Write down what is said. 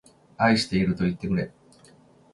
愛しているといってくれ